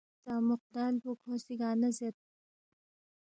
تا موقدال پو کھو سی گار نہ زید